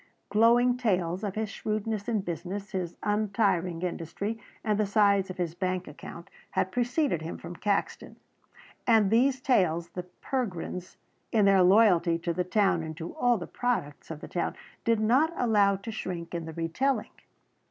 Glowing tales of his shrewdness in business, his untiring industry, and the size of his bank account, had preceded him from Caxton, and these tales the Pergrins, in their loyalty to the town and to all the products of the town, did not allow to shrink in the re telling.